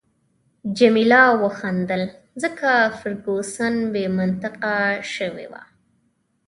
جميله وخندل، ځکه فرګوسن بې منطقه شوې وه.